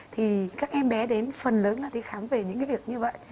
thì các em bé đến phần lớn là đi khám về những cái việc như vậy